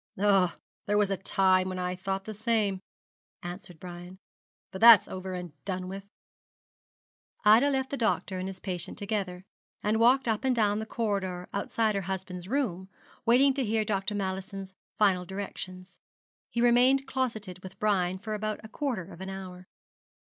'Ah, there was a time when I thought the same,' answered Brian; 'but that's over and done with.' Ida left the doctor and his patient together, and walked up and down the corridor outside her husband's room, waiting to hear Dr. Mallison's final directions. He remained closeted with Brian for about a quarter of an hour.